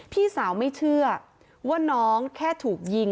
พี่สาวไม่เชื่อว่าน้องแค่ถูกยิง